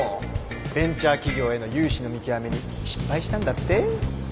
ベンチャー企業への融資の見極めに失敗したんだって？